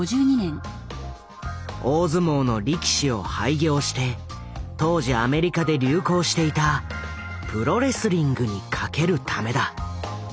大相撲の力士を廃業して当時アメリカで流行していた「プロ・レスリング」に懸けるためだ。